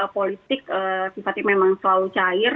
politik memang selalu cair